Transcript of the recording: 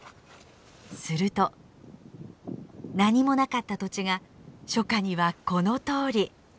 すると何もなかった土地が初夏にはこのとおり。